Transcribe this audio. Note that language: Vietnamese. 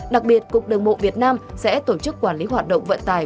đặc biệt cục đồng bộ việt nam sẽ tổ chức quản lý hoạt động vận tài